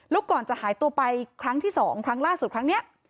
แล้วก่อนจะหายตัวไปครั้งที่๒ครั้งล่าสุดครั้งนี้